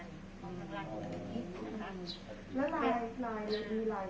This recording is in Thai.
แล้วลายลายลายคุยกันด้วยไหมไม่ได้คุยเลย